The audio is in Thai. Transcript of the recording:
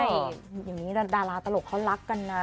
ใช่อย่างนี้ดาราตลกเขารักกันนะ